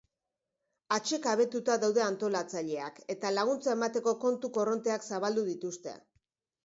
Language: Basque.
Atsekabetuta daude antolatzaileak eta laguntza emateko kontu korronteak zabaldu dituzte.